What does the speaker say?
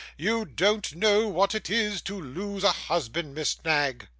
You don't know what it is to lose a husband, Miss Knag.